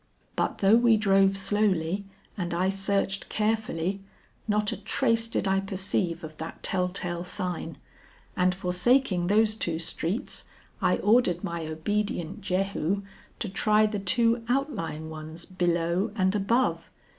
But though we drove slowly and I searched carefully, not a trace did I perceive of that tell tale sign, and forsaking those two streets, I ordered my obedient Jehu to try the two outlying ones below and above.